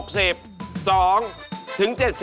สองถึง๗๐